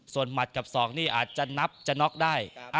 ส่วนหมัดกับศอกนี่อาจจะนับจะน็อกได้